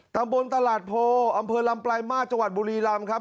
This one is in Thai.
ตำบลตลาดโพอำเภอลำปลายมาสจังหวัดบุรีรำครับ